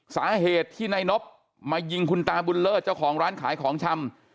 สาเหตุที่นายนบมายิงคุณตาบุญเลิศเจ้าของร้านขายของชำ